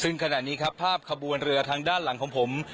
สิงห์ขณะนี้ภาพขบวนเรือทางด้านหลังของผม